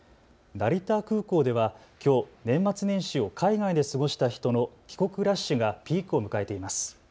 成田空港ではきょう、年末年始を海外で過ごした人の帰国ラッシュがピークを迎えています。